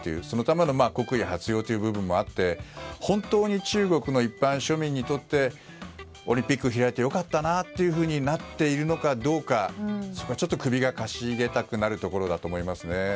そのための国威発揚という部分もあって本当に中国の一般庶民にとってオリンピック開いて良かったなというふうになっているのかどうかそこはちょっと首を傾げたくなるところだと思いますよね。